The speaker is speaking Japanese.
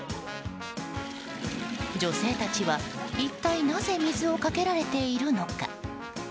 女性たちは一体なぜ水をかけられているのか。